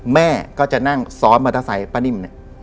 แม่ก็จะนั่งซ้อมมาตราไซส์